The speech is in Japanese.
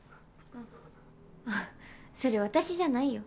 ああそれ私じゃないよ。